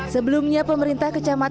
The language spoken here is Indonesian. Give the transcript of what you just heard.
sebelumnya pemerintah satya berkata